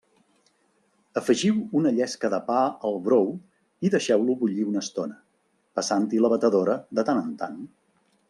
Afegiu una llesca de pa al brou i deixeu-lo bullir una estona, passant-hi la batedora de tant en tant.